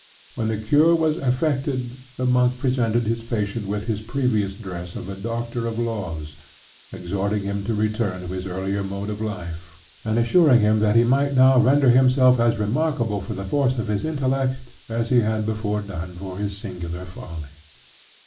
When the cure was effected, the monk presented his patient with his previous dress of a doctor of laws, exhorting him to return to his earlier mode of life, and assuring him that he might now render himself as remarkable for the force of his intellect, as he had before done for his singular folly.